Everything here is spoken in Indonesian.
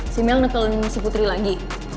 si mel nekelin si putri lagi